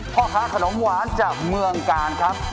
พ่อค้าขนมหวานจากเมืองกาลครับ